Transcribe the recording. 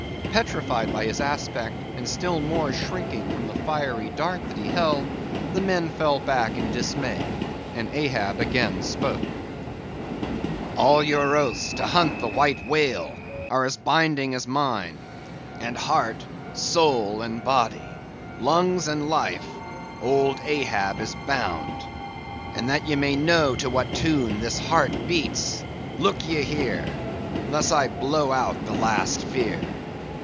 Petrified by his aspect, and still more shrinking from the fiery dart that he held, the men fell back in dismay, and Ahab again spoke:— "All your oaths to hunt the White Whale are as binding as mine; and heart, soul, and body, lungs and life, old Ahab is bound. And that ye may know to what tune this heart beats; look ye here; thus I blow out the last fear!"